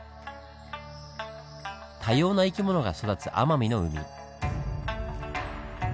多様な生き物が育つ奄美の海。